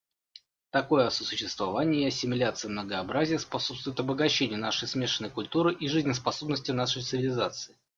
Такое сосуществование и ассимиляция многообразия способствуют обогащению нашей смешанной культуры и жизнеспособности нашей цивилизации.